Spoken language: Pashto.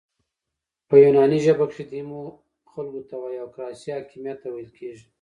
په یوناني ژبه کښي ديمو خلکو ته وایي او کراسي حاکمیت ته ویل کیږي.